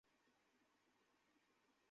Okay ball they.